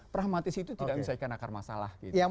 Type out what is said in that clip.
pragmatis itu tidak menyelesaikan akar masalah